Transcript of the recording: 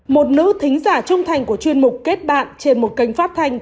một nữ thính giả trung thành của chuyên mục kết bạn trên một kênh phát thanh